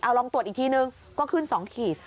เอาลองตรวจอีกทีนึงก็ขึ้น๒ขีด